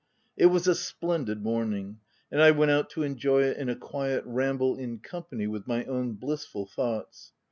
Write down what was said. It was a splendid VOL. /f. B a THE TENANT morning ; and I went out to enjoy it, in a quiet ramble in company with my own bliss ful thoughts.